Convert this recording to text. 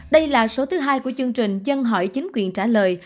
đây là số thứ hai của chương trình dân hỏi chính quyền trả lời